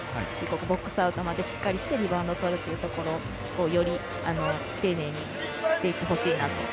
ボックスアウトまでしっかりしてリバウンドをとるというところをより丁寧にしていってほしいなと。